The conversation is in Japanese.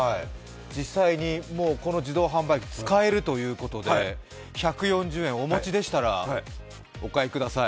実際にこの自動販売機使えるということで１４０円、お持ちでしたらお買いください。